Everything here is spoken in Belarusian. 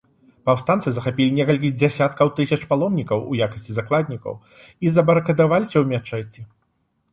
Паўстанцы захапілі некалькі дзесяткаў тысяч паломнікаў у якасці закладнікаў і забарыкадаваліся ў мячэці.